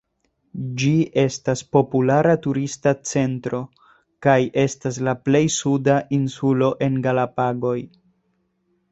Ĝi estas populara turista centro, kaj estas la plej suda insulo en Galapagoj.